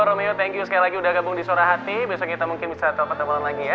romeo thank you sekali lagi udah gabung di suara hati besok kita mungkin bisa telepon telepon lagi ya